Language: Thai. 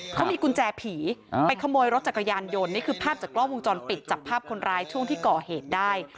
เขามีกุญแจผีไปขโมยรถจักรยานยนต์นี่คือภาพจากกล้องวงจรปิดจับภาพคนร้ายช่วงที่ก่อเหตุได้